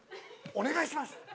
お願いします。